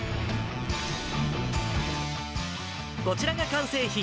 こちらが完成品。